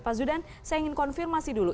pak zudan saya ingin konfirmasi dulu